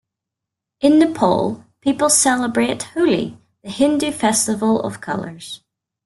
In Nepal, people celebrate Holi, the Hindu festival of colours.